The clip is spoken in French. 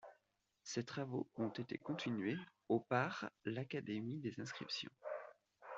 Ses travaux ont été continués au par l'Académie des inscriptions.